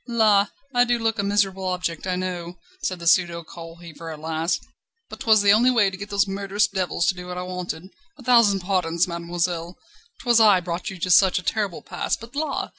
"La! I do look a miserable object, I know," said the pseudo coal heaver at last, "but 'twas the only way to get those murderous devils to do what I wanted. A thousand pardons, mademoiselle; 'twas I brought you to such a terrible pass, but la!